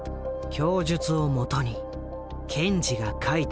供述をもとに検事が書いた調書。